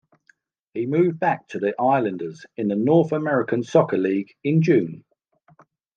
He moved back to the Islanders in the North American Soccer League in June.